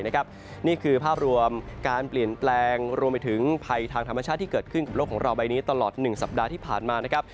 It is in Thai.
นี่คือภาพรวมการเปลี่ยนแปลงรวมไปถึงภัยทางธรรมชาติที่เกิดขึ้นกับโลกของเราใบนี้ตลอด๑สัปดาห์ที่ผ่านมานะครับ